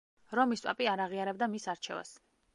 რომის პაპი არ აღიარებდა მის არჩევას.